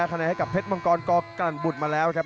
คะแนนให้กับเพชรมังกรกลั่นบุตรมาแล้วครับ